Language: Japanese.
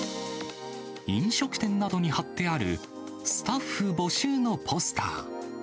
飲食店などに貼ってある、スタッフ募集のポスター。